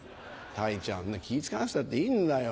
たいちゃんそんな気ぃ使わなくたっていいんだよ。